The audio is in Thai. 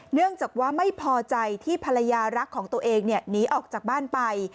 เนื่องจากว่าไม่พอใจที่ภรรยารักของตัวเองหนีออกจากบ้านไป